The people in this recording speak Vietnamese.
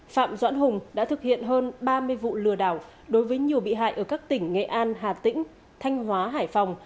phạm doãn hùng đã thực hiện hơn ba mươi vụ lừa đảo đối với nhiều bị hại ở các tỉnh nghệ an hà tĩnh thanh hóa hải phòng